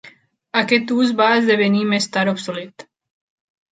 Aquest ús va esdevenir més tard obsolet.